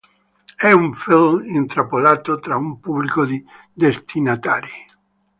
È un film intrappolato tra un pubblico di destinatari".